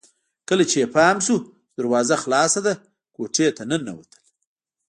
کله چې يې پام شو چې دروازه خلاصه ده کوټې ته ننوتله